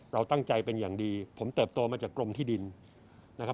เราตั้งใจเป็นอย่างดีผมเติบโตมาจากกรมที่ดินนะครับ